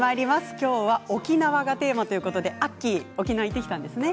きょうは沖縄がテーマということでアッキー沖縄に行ってきたんですよね。